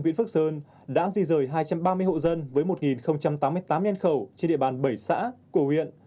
viện phước sơn đã di rời hai trăm ba mươi hộ dân với một tám mươi tám nhan khẩu trên địa bàn bảy xã của huyện